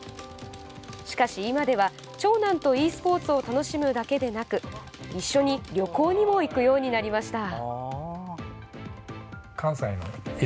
しかし、今では長男とｅスポーツを楽しむだけでなく一緒に旅行にも行くようになりました。